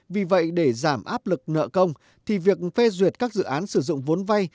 vì vậy để giảm áp lực nợ công thì việc phê duyệt các dự án sử dụng vốn vay